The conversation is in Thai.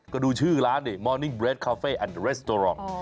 ก็ดูชื่อร้านมอร์นิ่งเบรดคาเฟ่แอนด์เรสโตรองค์